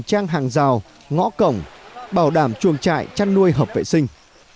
trang hàng rào ngõ cổng bảo đảm chuồng trại chăn nuôi hợp vệ sinh